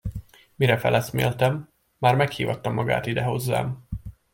Mire feleszméltem, már meghívatta magát ide hozzám.